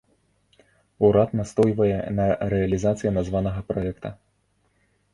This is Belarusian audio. Урад настойвае на рэалізацыі названага праекта.